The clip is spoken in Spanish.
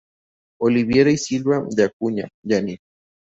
Oliveira y Silva de Acuña, Yani.